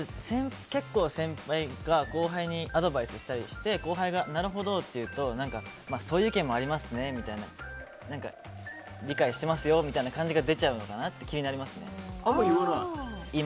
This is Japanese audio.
結構、先輩が後輩にアドバイスしたりして後輩がなるほどって言うとそういう意見もありますねみたいな理解してますよみたいな感じが出ちゃうのかなってあんまり言わない？